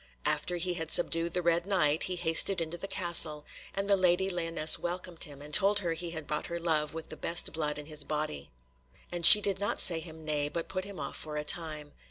After he had subdued the Red Knight, he hasted into the castle, and the Lady Lyonesse welcomed him, and he told her he had bought her love with the best blood in his body. And she did not say him nay, but put him off for a time.